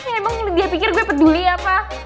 emang dia pikir gue peduli apa